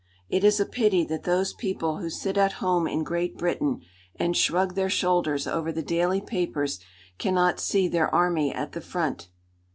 It is a pity that those people who sit at home in Great Britain and shrug their shoulders over the daily papers cannot see their army at the front.